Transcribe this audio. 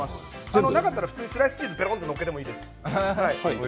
なんだったらスライスチーズを載っけてもいいです。